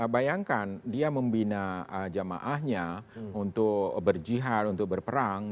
bayangkan dia membina jamaahnya untuk berjihad untuk berperang